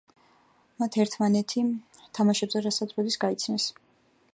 მათ ერთმანეთი თამაშებზე „რა, სად, როდის“ გაიცნეს.